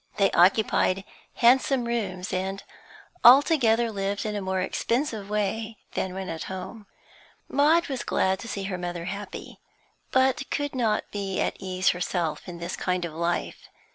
They occupied handsome rooms, and altogether lived in a more expensive way than when at home. Maud was glad to see her mother happy, but could not be at ease herself in this kind of life.